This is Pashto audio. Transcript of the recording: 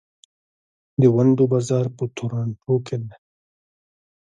د ونډو بازار په تورنټو کې دی.